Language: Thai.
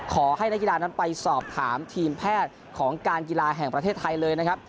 ขอให้นักกีฬานั้นไปสอบถามทีมแพทย์ของการกีฬาแห่งประเทศไทยเลยนะครับ